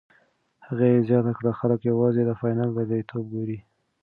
هغې زیاته کړه، خلک یوازې د فاینل بریالیتوب ګوري.